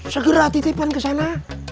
segera titipkan kesana